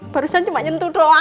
barusan cuma nyentuh doang